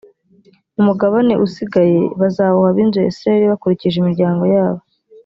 umugabane usigaye bazawuha ab’inzu ya isirayeli bakurikije imiryango yabo